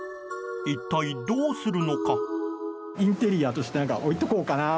一体どうするのか。